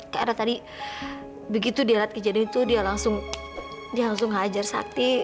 karena tadi begitu dia lihat kejadian itu dia langsung dia langsung ngajar sakti